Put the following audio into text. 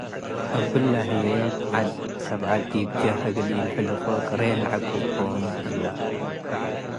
እብለ ህይ ዐድ ሰብዐት ዲብ ጀህ እግል ኢልሕለፎ ቅሬን ለዐቅቦም ሀለ።